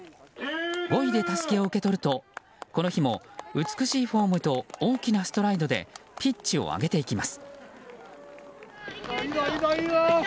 ５位でたすきを受け取るとこの日も、美しいフォームと大きなストライドでピッチを上げていきます。